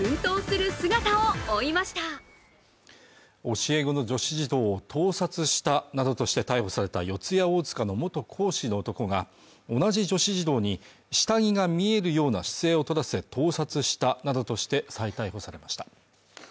教え子の女子児童を盗撮したなどとして逮捕された四谷大塚の元講師の男が同じ女子児童に下着が見えるような姿勢をとらせ盗撮したなどとして再逮捕されました